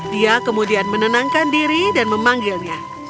dia kemudian menenangkan diri dan memanggilnya